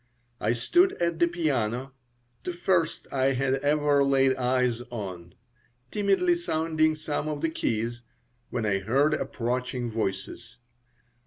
I stood at the piano the first I had ever laid eyes on timidly sounding some of the keys, when I heard approaching voices.